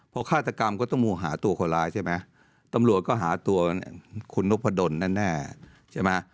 พอฆาตกรรมก็ต้องมูหาตัวคนร้ายใช่ไหมตำรวจก็หาตัวคุณนพดลแน่ใช่ไหม